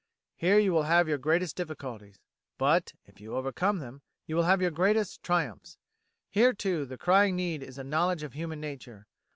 Here you will have your greatest difficulties, but, if you overcome them, you will have your greatest triumphs. Here, too, the crying need is a knowledge of human nature.